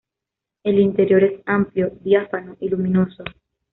El interior es amplio, diáfano y luminoso.